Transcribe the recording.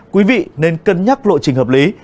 quý vị nên cân nhắc lộ trình hợp lý